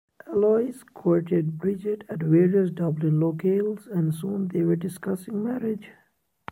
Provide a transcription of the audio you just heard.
Alois courted Bridget at various Dublin locales and soon they were discussing marriage.